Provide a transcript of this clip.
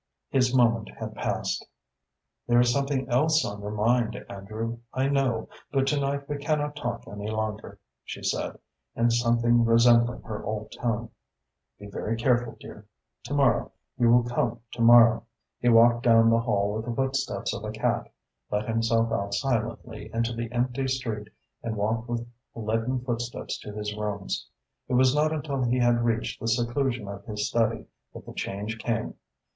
His moment had passed. "There is something else on your mind, Andrew, I know, but to night we cannot talk any longer," she said, in something resembling her old tone. "Be very careful, dear. To morrow you will come to morrow." He walked down the hall with the footsteps of a cat, let himself out silently into the empty street and walked with leaden footsteps to his rooms. It was not until he had reached the seclusion of his study that the change came.